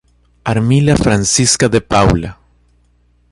Armila Francisca de Paula